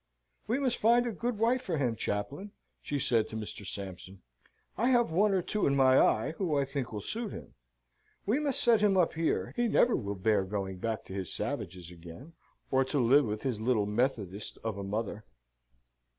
"We must find a good wife for him, Chaplain," she said to Mr. Sampson. "I have one or two in my eye, who, I think, will suit him. We must set him up here; he never will bear going back to his savages again, or to live with his little Methodist of a mother."